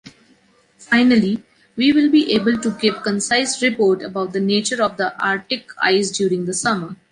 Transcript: Finally, we will be able to give concise report about the nature of the artic ice during the summer.